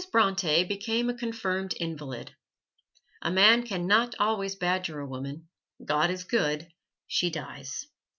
Bronte became a confirmed invalid. A man can not always badger a woman; God is good she dies.